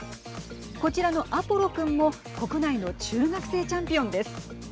こちらのアポロ君も国内の中学生チャンピオンです。